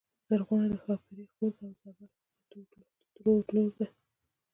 زرغونه د ښاپيرې خور ده او د زرلښتی د ترور لور ده